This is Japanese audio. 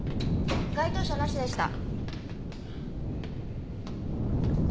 該当者なしでした。